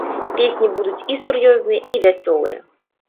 Песні будуць і сур'ёзныя, і вясёлыя.